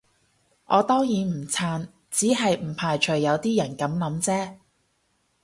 我當然唔撐，只係唔排除有啲人噉諗啫